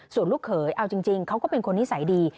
ส่วนลูกเขยเอาจริงเขาก็เป็นคนนิสัยดี